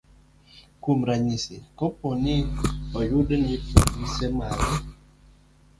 Kuom ranyisi, kapo ni oyud ni polise mag